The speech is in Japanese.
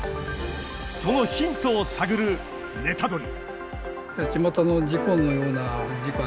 そのヒントを探るネタドリ！